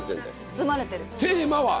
包まれてる。